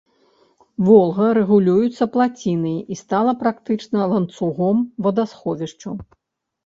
Волга рэгулюецца плацінай і стала практычна ланцугом вадасховішчаў.